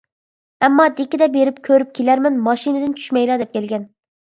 -ئەمما دىككىدە بېرىپ كۆرۈپ كېلەرمەن ماشىنىدىن چۈشمەيلا دەپ كەلگەن.